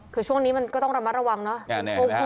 คือช่วงนี้มันก็ต้องระมัดระวังเนาะ